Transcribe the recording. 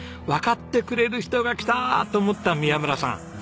「わかってくれる人が来た！」と思った宮村さん。